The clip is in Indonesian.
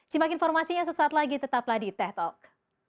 simak informasinya sesaat lagi tetaplah di teh talk